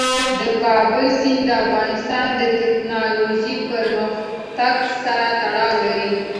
د کابل سیند د افغانستان د تکنالوژۍ پرمختګ سره تړاو لري.